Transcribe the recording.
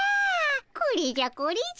これじゃこれじゃ。